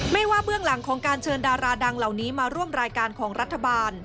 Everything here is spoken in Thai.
ไม่ว่าเบื้องหลังของการเชิญดาราดังเหล่านี้มาร่วมรายการของรัฐบาล